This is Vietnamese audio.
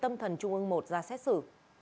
tâm thần trung ương một ra xét xử